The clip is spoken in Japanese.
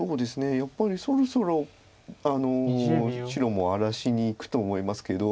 やっぱりそろそろ白も荒らしにいくと思いますけど。